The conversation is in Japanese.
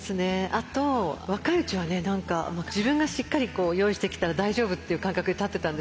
あと若いうちはね何か自分がしっかり用意してきたら大丈夫っていう感覚で立ってたんですけど